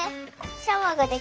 シャワーができた。